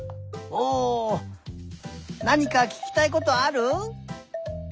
おなにかききたいことある？